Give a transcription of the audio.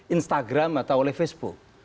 instagram atau oleh facebook